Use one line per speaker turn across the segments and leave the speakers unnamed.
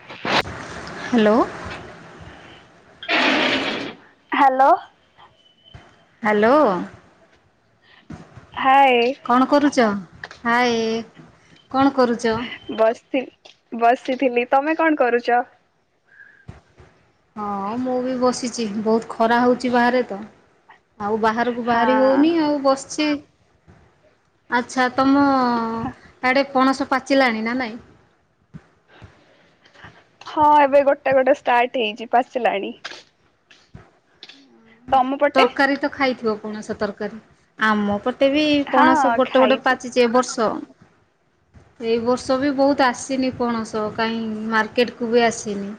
ହଁ [unintelligible]
[unintelligible] ହାଲେ।
Hello.
Hello
hi
କଣ କରୁଚ? କଣ କରୁଚ?
ବସ୍ ଥିଲି ବସିଥିଲି ତମେ କଣ କରୁଚ?
ହଁ ମୁଁ ବି ବସିଛି ବହୁତ୍ ଖରା ହଉଛି ବାହାରେ ତ ଆଉ ବାହାରୁ କୁ ବାହାରି
ହଁ
ହଉନି ଆଉ ବସ୍ ଚି। ଆଚ୍ଛା ତମ ଆଡ଼େ ପଣସ ପାଚିଲାଣି ନା ନାଇଁ?
ହଁ ଏବେ ଗୋଟେ ଗୋଟେ ଷ୍ଟାଟ୍ ହେଇଚି ପାଚିଲାଣି। ତମ ପଟେ?
ତର୍କାରୀ ତ ଖାଇଥିବ ପଣସ ତରକାରୀ ଆମ ପଟେ ବି ପଣସ
ହଁ
ଗୋଟେ ଗୋଟେ
ଖାଇଛି
ପାଚି ଚି ଏ ବର୍ଷ। ଏଇ ବର୍ଷ ବି ବହୁତ୍ ଆସିନି ପଣସ କାଇଁ ମାର୍କେଟ୍ କୁ ବି ଆସିନି।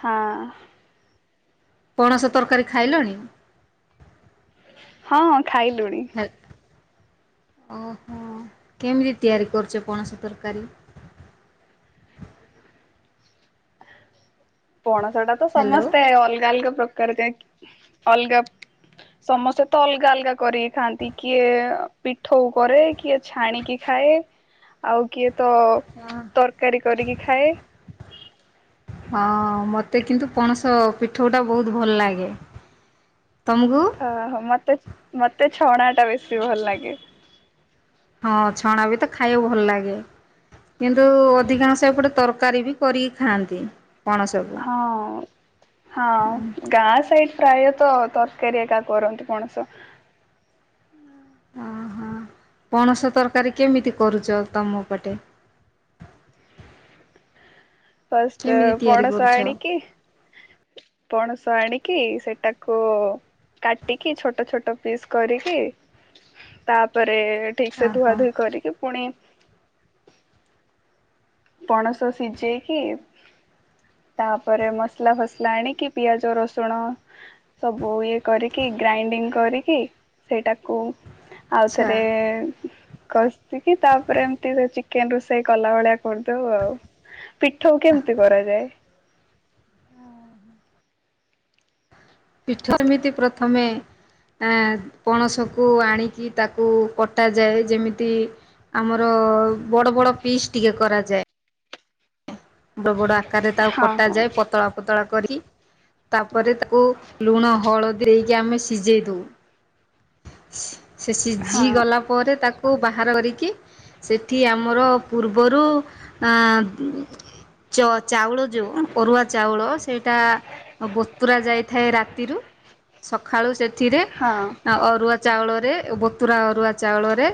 ହାଁ।
ପଣସ ତର୍କାରୀ ଖାଇଲଣି?
ହଁ ଖାଇଲୁଣି।
[inaudible] ଓହୋ କେମି ତିଆରି କରୁଛ ପଣସ ତର୍କାରୀ?
ପଣସ ଟା ତ
ହ୍ୟାଲୋ
ସମସ୍ତେ ଅଲ୍ ଗା ଅଲ୍ ଗା ପ୍ରକାର କାଇଁକି ଅଲ୍ ଗା ସମସ୍ତେ ତ ଅଲ୍ ଗା ଅଲ୍ ଗା କରିକି ଖାଆନ୍ତି କିଏ ପିଠଉ କରେ କିଏ ଛାଣିକି ଖାଏ ଆଉ କିଏ ତ
[inaudible] ହଁ
ତର୍କାରୀ କରିକି ଖାଏ।
ହଁ ମତେ କିନ୍ତୁ ପଣସ ପିଠଉ ଟା ବହୁତ୍ ଭଲ୍ ଲାଗେ।
ଓହୋ। ମତେ, ମତେ ଛଣା ଟା ବେଶୀ ଭଲ ଲାଗେ।
ହଁ, ଛଣା ବି ତ ଖାଇବାକୁ ଭଲ ଲାଗେ। କିନ୍ତୁ ଅଧିକାଂଶ ଏପଟେ ତରକାରୀ ବି କରିକି ଖାଆନ୍ତି। ପଣସ କୁ।
ହଁ ହଁ, ଗାଁ ସାଇଡ଼ ପ୍ରାୟତଃ ତରକାରୀ ଏକା କରନ୍ତି, ପଣସ।
ଓହୋ। ପଣସ ତରକାରୀ କେମିତି କରୁଛ ତମ ପଟେ?
ଫାଷ୍ଟ
କେମିତି ତିଆରି
ପଣସ
କରୁଛ?
ଆଣିକି ପଣସ ଆଣିକି, ସେଟାକୁ କାଟିକି ଛୋଟ ଛୋଟ ପିସ୍ କରିକି, ତାପରେ ଠିକ୍ ସେ
ଓହୋ
ଧୁଆ ଧୁଇ କରିକି ପୁଣି ପଣସ ସିଝେଇକି ତାପରେ ମସଲା ଫସଲା ଆଣିକି ପିଆଜ, ରସୁଣ ସବୁ ଇଏ କରିକି ଗ୍ରାଇଣ୍ଡିଙ୍ଗ କରିକି। ସେଇଟାକୁ ଆଉ
ଆଚ୍ଛା।
ଥରେ କଷିକି ତାପରେ ଏମିତି ଚିକେନ ରୋଷେଇ କଲା ଭଳିଆ କରିଦଉ ଆଉ। ପିଠଉ କେମିତି କରାଯାଏ?
ପୀଠଉ ଏମିତି ପ୍ରଥମେ ଆ ପଣସକୁ ଆଣିକି ତାକୁ କଟାଯାଏ। ଯେମିତି ଆମର ବଡ ବଡ ପିସ୍ ଟିକେ କରାଯାଏ। ବଡ ବଡ଼ ଆକାରରେ ତାକୁ
ହଁ
କଟାଯାଏ। ପତଳା ପତଳା କରି। ତାପରେ ତାକୁ ଲୁଣ, ହଳଦୀ ଦେଇକି ଆମେ ସିଝେଇ ଦଉ। ସେ
ହଁ
ସିଝିଗଲା ପରେ ତାକୁ ବାହାର କରିକି, ସେଠି ଆମର ପୂର୍ବରୁ ଆ ଚ ଚାଉଳ ଯୋଉ ଅରୁଆ ଚାଉଳ, ସେଇଟା ବତୁରା ଯାଇଥାଏ ରାତିରୁ, ସକାଳୁ ସେଥିରେ
ହଁ
ଅରୁଆ ଚାଉଳରେ, ବତୁରା ଅରୁଆ ଚାଉଳରେ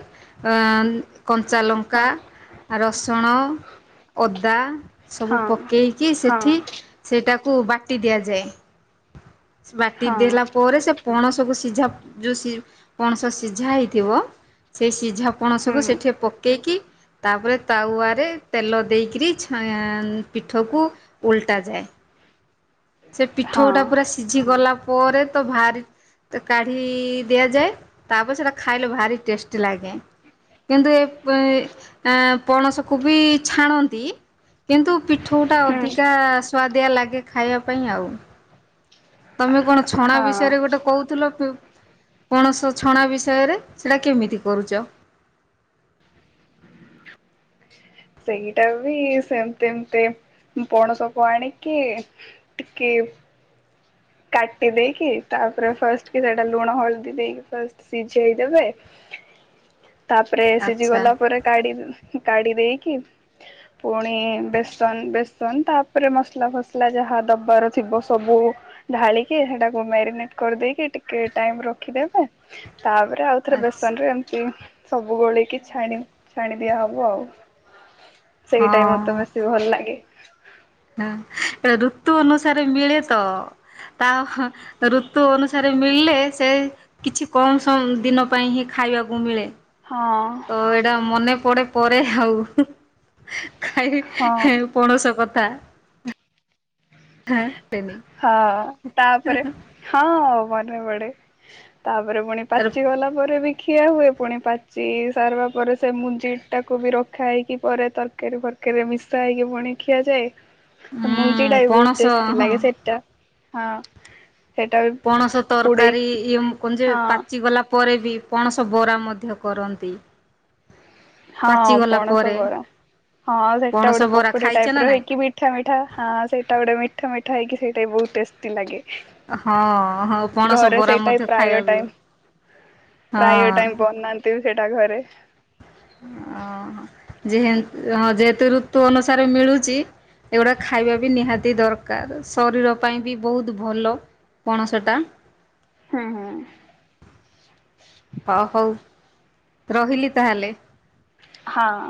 କଞ୍ଚାଲଙ୍କା,
ହଁ
ରସୁଣ, ଅଦା ସବୁ
ହଁ
ପକେଇକି
ହଁ
ସେଠି ସେଇଟାକୁ ବାଟି ଦିଆଯାଏ। ବାଟି
ହଁ
ଦେଲା ପରେ ସେ ପଣସକୁ ସିଝାପ ଯୋଉ ସି ପଣସ ସିଝା ହେଇଥିବ, ସେ ସିଝାପ୍ ପଣସକୁ
ହୁଁ
ସେଠେ ପକେଇକି ତାପରେ ତାୱା ରେ ତେଲ ଦେଇକିରି ଛାନ୍ ପିଠଉକୁ ଓଲଟାଯାଏ। ସେ ପିଠଉ
ହଁ
ଟା ପୁରା ସିଝିଗଲା ପରେ ତ ଭାରି ତ କାଢି ଦିଆଯାଏ। ତାପରେ ସେଟା ଖାଇଲେ ଭାରି ଟେଷ୍ଟି ଲାଗେ। କିନ୍ତୁ ଏ ପେ ଆଁ ପଣସକୁ ବି ଛାଣନ୍ତି କିନ୍ତୁ ପିଠଉ ଟା
ହୁଁ
ଅଧିକା ସୁଆଦିଆ ଲାଗେ, ଖାଇଆ ପାଇଁ ଆଉ। ତମେ କଣ ଛଣା
ହଁ
ବିଷୟରେ ଗୋଟେ କହୁଥିଲ? ପୁ ପଣସ ଛଣା ବିଷୟରେ, ସେଟା କେମିତି କରୁଚ?
ସେଇଟା ବି ସେମିତି ଏମିତି ଉ ପଣସକୁ ଆଣିକି ଟିକେ କାଟି ଦେଇକି, ତାପରେ ଫାଷ୍ଟ କି ସେଟା ଲୁଣ ହଳଦୀ ଦେଇକି ପୁରା ସିଝେଇଦବେ
[inaudible]
ତାପରେ ସିଝି
ଆଚ୍ଛା
ଗଲା ପରେ କାଢ଼ି କାଢ଼ି ଦେଇକି ପୁଣି ବେସନ ବେସନ ତାପରେ ମସଲା ଫସଲା ଯାହା ଦବାର ଥିବ ସବୁ ଢାଳିକି, ସେଟାକୁ ମ୍ୟାରିନେଟ କରିଦେଇକି ଟିକେ ଟାଇମ ରଖିଦେବେ। ତାପରେ ଆଉ ଥରେ
ଆଚ୍ଛା
ବେସନ ରେ ଏମିତି ସବୁ ଗୋଳେଇକି ଛାଣି ଛାଣି ଦିଆହବ ଆଉ। ସେଇଟା ମତେ ବେଶୀ ଭଲ ଲାଗେ।
ହଁ ଋତୁ ଅନୁସାରେ ମିଳେ ତ ତା ହଁ ଋତୁ ଅନୁସାରେ ମିଳିଲେ ସେ କିଛି କମ୍ସ ଦିନ ପାଇଁ ହିଁ ଖାଇବାକୁ ମିଳେ।
ହଁ।
ତ ଏଇଟା ମନେ ପଡେ ପରେ ଆଉ ହୁଁ ଖାଇ
ହଁ
ଖାଇଆ ପଣସ କଥା। ହଁ ସେନି
ହଁ ତାପରେ ହଁ ମନେ ପଡେ ତାପରେ ପୁଣି
ତାର
ପାଚିଗଲା ପରେ ବି ଖିଆ ହୁଏ ପୁଣି ପାଚି ସାରିବା ପରେ ସେ ମୁଞ୍ଜି ଟାକୁ ବି ରଖା ହେଇକି ପରେ ତର ତରକାରୀ ଫରକାରିରେ ମିଶା ହେଇକି ପୁଣି ଖିଆଯାଏ। ମୁଞ୍ଜି ଟା
ହୁଁ
ବି ବହୁତ
ପଣସ
ଟେଷ୍ଟି ଲାଗେ
ହଁ
ସେଟା ହଁ। ସେଟା ବି
ପଣସ ତରକାରୀ
ପୋଡେଇକି
ଇମ କୁ ଯେ
ହଁ
ପାଚିଗଲା ପରେ ବି ପଣସ ବରା ମଧ୍ୟ କରନ୍ତି।
ହଁ
ପାଚିଗଲା
ପଣସ
ପରେ
ବରା ହଁ ସେଟା
ପଣସ
ଗୋଟେ
ବରା
ପକୁଡି
ଖାଇଛ ନା
ଟାଇପର
ନାଇଁ?
ହେଇକି ବି ମିଠା ମିଠା ହଁ ସେଇଟା ଗୋଟେ ମିଠା ମିଠା ହେଇକି ସେଇଟା ବହୁତ ଟେଷ୍ଟି ଲାଗେ।
ଅ ହଁ ହଁ ପ୍
ଘରେ ସେଇଟା ପ୍ରାୟ ଟାଇମ
ହଁ।
ପ୍ରାୟ ଟାଇମ ବନାନ୍ତି ବି ସେଇଟା ଘରେ।
ଅ ହଁ ଯେହେଁ ଯେହେତୁ ଋତୁ ଅନୁସାରେ ମିଳୁଚି ଏଗୁଡ଼ା ଖାଇବା ବି ନିହାତି ଦରକାର ଶରୀର ପାଇଁ ବି ବହୁତ ଭଲ। ପଣସଟା।
ହୁଁ ହୁଁ।
ହ ହଉ ରହିଲି ତାହେଲେ।
ହଁ।